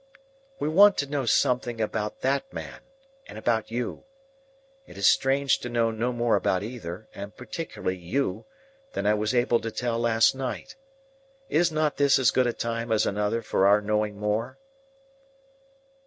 "We want to know something about that man—and about you. It is strange to know no more about either, and particularly you, than I was able to tell last night. Is not this as good a time as another for our knowing more?"